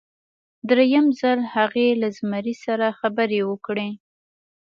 دریم ځل هغې له زمري سره خبرې وکړې.